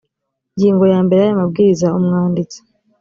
ngingo ya mbere y aya mabwiriza umwanditsi